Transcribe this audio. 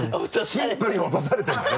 シンプルに落とされてるんだね